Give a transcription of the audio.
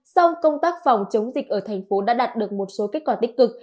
sau công tác phòng chống dịch ở tp hcm đã đạt được một số kết quả tích cực